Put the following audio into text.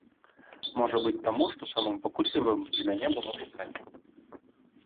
Можа быць, таму, што самым пакутлівым для мяне было чаканне.